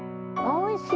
おいしい！